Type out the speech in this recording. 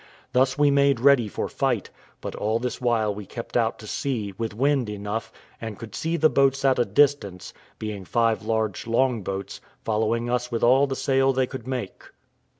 Thus we made ready for fight; but all this while we kept out to sea, with wind enough, and could see the boats at a distance, being five large longboats, following us with all the sail they could make.